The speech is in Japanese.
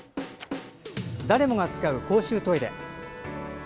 誰もが使う公衆トイレ。